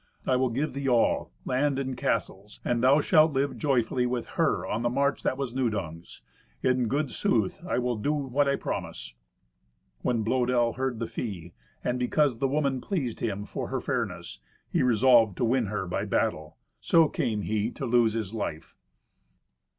I will give the all, land and castles, and thou shalt live joyfully with her on the march that was Nudung's. In good sooth I will do what I promise." When Blœdel heard the fee, and because the woman pleased him for her fairness, he resolved to win her by battle. So came he to lose his life.